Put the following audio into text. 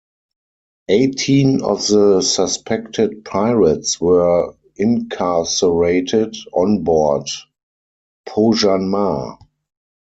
Eighteen of the suspected pirates were incarcerated onboard "Pohjanmaa".